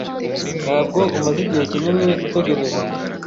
Ntabwo umaze igihe kinini utegereje.